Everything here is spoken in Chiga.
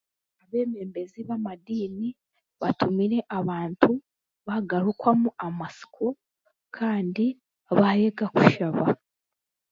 Abeebembezi b'amadiini batumiire abantu baagarukwamu amatsiko kandi baayega kushaba.